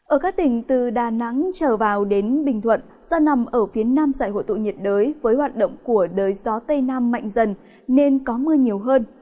ở các tỉnh từ đà nẵng trở vào đến bình thuận do nằm ở phía nam giải hội tụ nhiệt đới với hoạt động của đới gió tây nam mạnh dần nên có mưa nhiều hơn